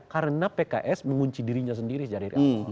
karena pks mengunci dirinya sendiri secara real